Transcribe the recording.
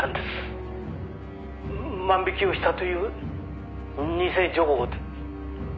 「万引きをしたという偽情報です」